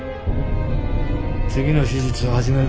次の手術を始める。